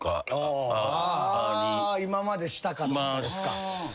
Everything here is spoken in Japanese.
あ今までしたかとかですか。